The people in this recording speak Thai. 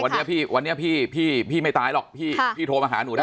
วันนี้พี่วันนี้พี่พี่ไม่ตายหรอกพี่โทรมาหาหนูได้